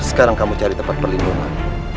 sekarang kamu cari tempat perlindungan